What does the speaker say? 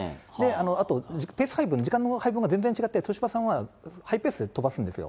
あと、ペース配分、時間の配分が全然違って、豊島さんはハイペースで飛ばすんですよ。